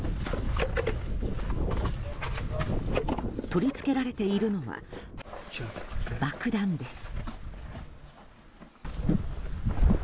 取り付けられているのは爆弾です。